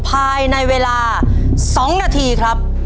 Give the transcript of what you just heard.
ภายในเวลา๒นาทีครับ